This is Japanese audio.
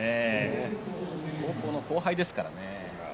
高校の後輩ですからね。